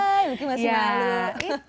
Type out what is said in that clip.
lucky masih malu